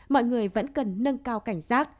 mọi người vẫn cần nâng cao cảnh giác